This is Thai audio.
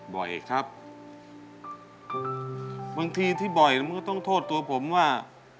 บ่อยครับบางทีที่บ่อยมันก็ต้องโทษตัวผมว่า